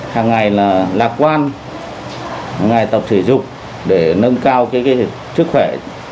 hàng ngày là lạc quan hàng ngày tập thể dục để nâng cao chức khỏe